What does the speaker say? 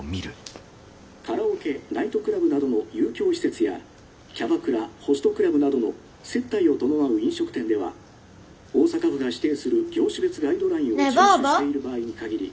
カラオケナイトクラブなどの遊興施設やキャバクラホストクラブなどの接待を伴う飲食店では大阪府が指定する業種別ガイドラインを順守している場合に限り」。